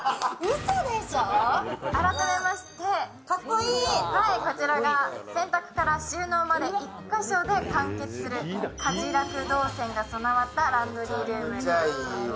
改めまして、こちらが洗濯から収納まで１か所で完結する家事ラク導線が備わったランドリールームです。